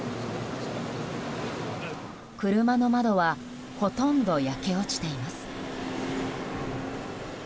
車の窓はほとんど焼け落ちています。